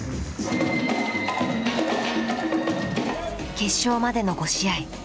決勝までの５試合。